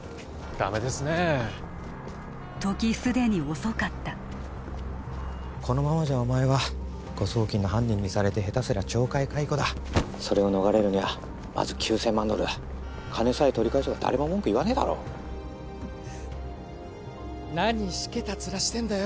ダメですね時すでに遅かったこのままじゃお前は誤送金の犯人にされて☎下手すりゃ懲戒解雇だ☎それを逃れるにはまず９千万ドルだ☎金さえ取り返せば誰も文句言わねえだろうっ何しけたツラしてんだよ